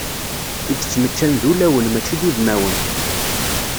I yettmeččan d ulawen mačči d udmawen.